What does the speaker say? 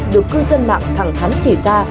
được cư dân mạng thẳng thắn chỉ ra